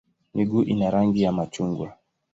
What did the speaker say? Miguu ina rangi ya machungwa.